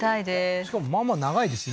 しかもまあまあ長いですよね